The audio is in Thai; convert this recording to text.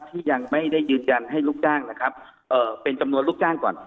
ที่ยังไม่ได้ยืนยันให้ลูกจ้างนะครับเอ่อเป็นจำนวนลูกจ้างก่อน